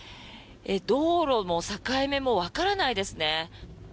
道路も境目もわからないですね。